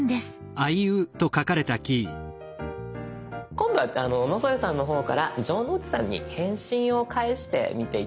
今度は野添さんの方から城之内さんに返信を返してみて頂けるでしょうか。